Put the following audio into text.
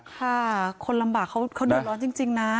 ค่ะคนลำบากเขาเดือดร้อนจริงนะ